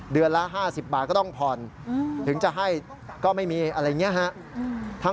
เดือนละ๕๐บาทก็ต้องผ่อนถึงจะให้ก็ไม่มีอะไรอย่างนี้ฮะ